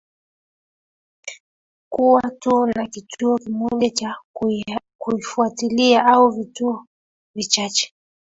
kuwa tu na kituo kimoja cha kufuatilia au vituo vichache